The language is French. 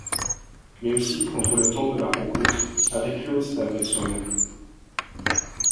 Mais aussi prendre le temps de la rencontre, avec l’autre et avec soi-même.